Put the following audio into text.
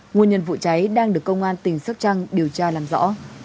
nguyên nhân vụ cháy đang được công an tỉnh sóc trăng điều tra làm rõ